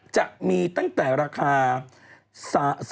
จะมีตั้งแต่ราคา๒๖๐๐๐บาท